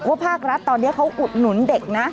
ภาครัฐตอนนี้เขาอุดหนุนเด็กนะ